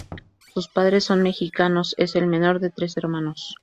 Sus padres son mexicanos, es el menor de tres hermanos.